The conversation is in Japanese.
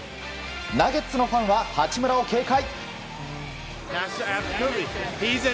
ナゲッツのファンは八村を警戒。